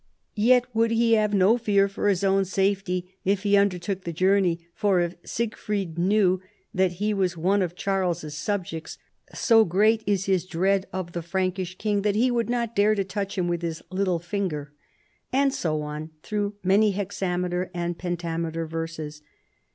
Yet would he have no fear for his own safety if he undertook the journey : for if Sigfrid knew that he was one of Charles's subjects, so great is his dread of the Frankish king that he would not dare to touch him with his little finger. And so on through many hexameter and pentameter verses.